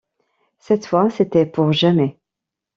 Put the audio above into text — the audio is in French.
Cette fois, c’était pour jamais.